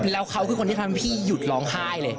แล้วเขาคือคนที่ทำให้พี่หยุดร้องไห้เลย